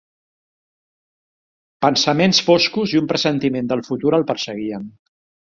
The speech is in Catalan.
Pensaments foscos i un pressentiment del futur el perseguien.